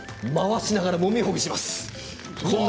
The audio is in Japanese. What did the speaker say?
回しながらもみほぐします。